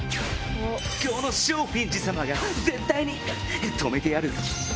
この松フィン寺様が絶対に止めてやる！